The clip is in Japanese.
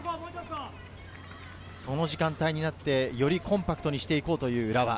この時間帯になって、よりコンパクトにしていこうという浦和。